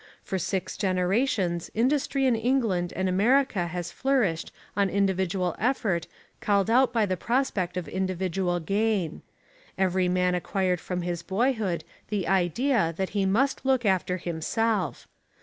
For six generations industry in England and America has flourished on individual effort called out by the prospect of individual gain. Every man acquired from his boyhood the idea that he must look after himself.